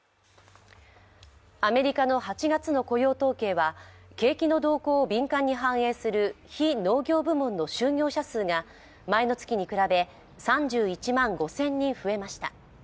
アメリカの８月の雇用統計は景気の動向を敏感に反映する非農業部門の就業者数が前の月に比べ３１万５０００人増えました。